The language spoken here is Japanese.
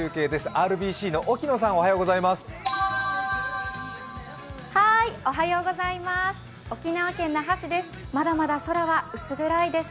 ＲＢＣの沖野さん、おはようございます。